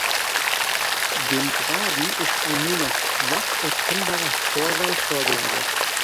Dem Graben ist ein nur noch schwach erkennbarer Vorwall vorgelagert.